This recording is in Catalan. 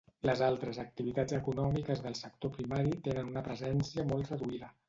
Les altres activitats econòmiques del sector primari tenen una presència molt reduïda.